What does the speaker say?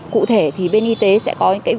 cụ thể thì bên y tế sẽ có